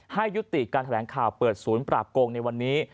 ให้ยุติการแถลงข่าวเปิดศูนย์ปราบโกงในวันนี้